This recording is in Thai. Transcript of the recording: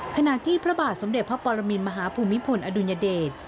ขณะที่พระบาทสมเด็จพระปรมินมหาภูมิพลอดุลยเดช